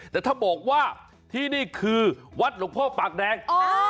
แต่ถ้าบอกว่าที่นี่คือวัดหลวงพ่อปากแดง